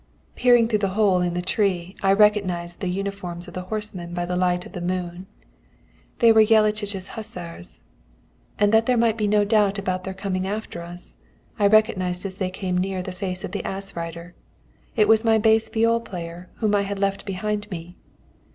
"Peering through the hole in the tree, I recognised the uniforms of the horsemen by the light of the moon they were Jellachich's hussars. And that there might be no doubt about their coming after us, I recognised as they came near the face of the ass rider. It was my bass viol player, whom I had left behind me.